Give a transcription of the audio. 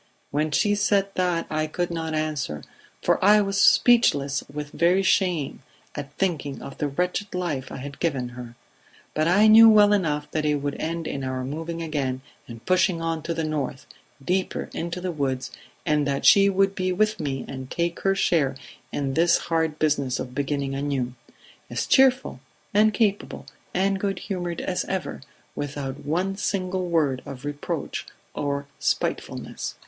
When she said that I could not answer, for I was speechless with very shame at thinking of the wretched life I had given her; but I knew well enough that it would end in our moving again and pushing on to the north, deeper into the woods, and that she would be with me and take her share in this hard business of beginning anew as cheerful and capable and good humoured as ever, without one single word of reproach or spitefulness."